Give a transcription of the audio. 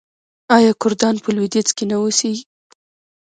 آیا کردان په لویدیځ کې نه اوسیږي؟